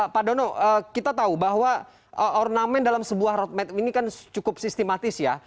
pak dono kita tahu bahwa ornamen dalam sebuah roadmap ini kan cukup sistematis ya